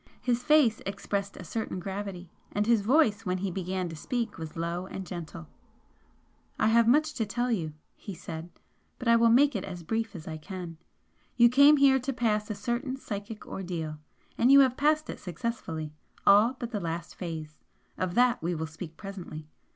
His face expressed a certain gravity, and his voice when he began to speak was low and gentle. "I have much to tell you" he said "but I will make it as brief as I can. You came here to pass a certain psychic ordeal and you have passed it successfully all but the last phase. Of that we will speak presently.